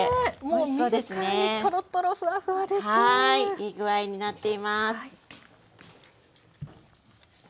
いい具合になっています。